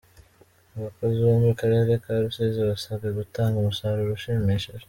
Abakozi bo mu karere ka Rusizi basabwe gutanga umusaruro ushimishije.